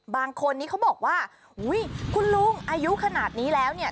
บางคนนี้เขาบอกว่าอุ้ยคุณลุงอายุขนาดนี้แล้วเนี่ย